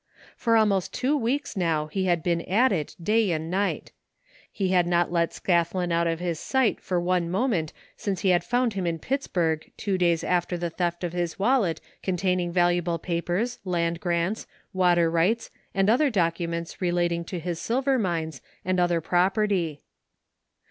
For almost two weeks now he had been at it, day and night He had not let Scathlin out of his sight for one moment since he had found him in Pittsburgh two days after the theft of his wallet con taining valuable papers^ land grants, water rights and other documents relating to his silver mines and other property.